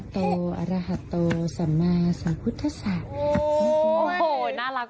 ท่าดูแบบพุ่งสัตว์ตัว